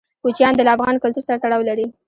کوچیان د افغان کلتور سره تړاو لري.